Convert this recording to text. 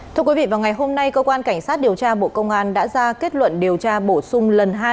thưa quý vị vào ngày hôm nay cơ quan cảnh sát điều tra bộ công an đã ra kết luận điều tra bổ sung lần hai